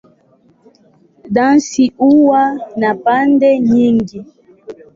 Dansi huwa na pande nyingi.